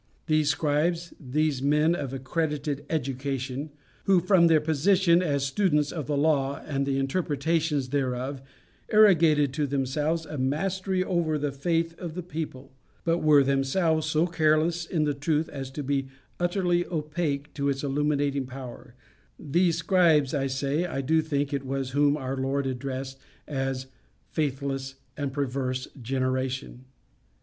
These scribes, these men of accredited education, who, from their position as students of the law and the interpretations thereof, arrogated to themselves a mastery over the faith of the people, but were themselves so careless about the truth as to be utterly opaque to its illuminating power these scribes, I say, I do think it was whom our Lord addressed as "faithless and perverse generation."